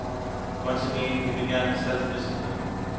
Once again he began his self discipline.